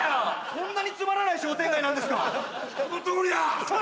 そんなにつまらない商店街なんですか？